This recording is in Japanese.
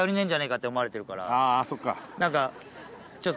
あそっか。